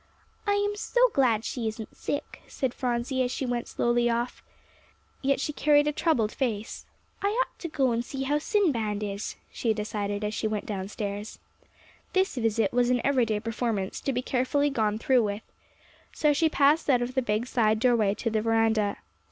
"I am so glad she isn't sick," said Phronsie, as she went slowly off. Yet she carried a troubled face. "I ought to go and see how Sinbad is," she decided, as she went downstairs. This visit was an everyday performance, to be carefully gone through with. So she passed out of the big side doorway, to the veranda.